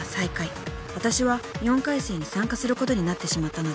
［わたしは４回戦に参加することになってしまったのです］